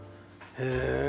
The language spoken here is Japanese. へえ。